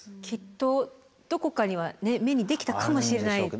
きっとどこかには目にできたかもしれない。